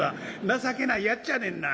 情けないやっちゃねんな。